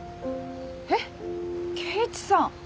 えっ圭一さん！